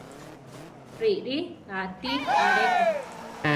Riʼrí ati aléko.